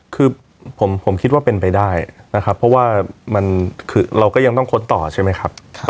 คือผมคิดว่าเป็นไปได้นะครับเพราะว่ามันคือเราก็ยังต้องค้นต่อใช่ไหมครับ